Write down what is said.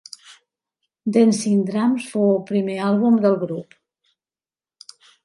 Dancing Drums fou el primer àlbum del grup.